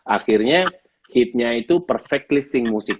akhirnya hitnya itu perfect listing musik